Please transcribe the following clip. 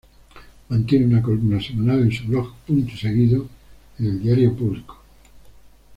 Mantiene una columna semanal en su blog "Punto y Seguido" en el diario Público.